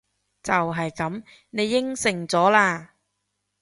就係噉！你應承咗喇！